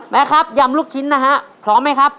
ครับยำลูกชิ้นนะฮะพร้อมไหมครับ